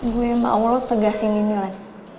gue mau lo tegasin ini lan